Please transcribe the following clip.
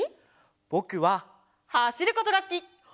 ぼくははしることがすき！